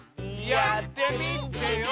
やってみてよ！